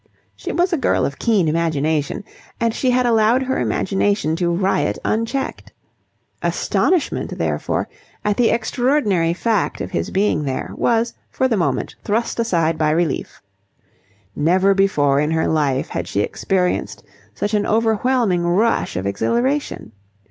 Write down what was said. She was a girl of keen imagination, and she had allowed her imagination to riot unchecked. Astonishment, therefore, at the extraordinary fact of his being there was for the moment thrust aside by relief. Never before in her life had she experienced such an overwhelming rush of exhilaration.